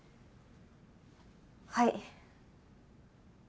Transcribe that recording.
はい。